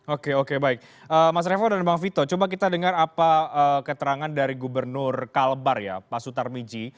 oke oke baik mas revo dan bang vito coba kita dengar apa keterangan dari gubernur kalbar ya pak sutar miji